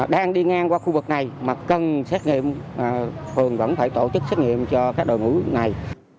đang đi ngang qua khu vực này mà cần xét nghiệm phường vẫn phải tổ chức xét nghiệm cho các đội ngũ này